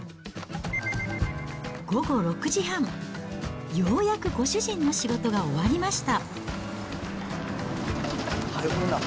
午後６時半、ようやくご主人の仕事が終わりました。